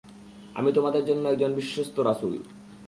আমি তোমাদের জন্যে একজন বিশ্বস্ত রাসূল।